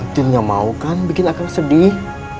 tim gak mau kan bikin akan sedih